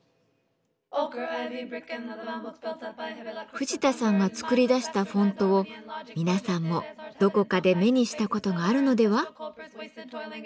藤田さんが作り出したフォントを皆さんもどこかで目にした事があるのでは？